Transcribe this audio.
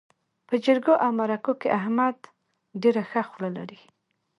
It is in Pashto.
په جرګو او مرکو کې احمد ډېره ښه خوله لري.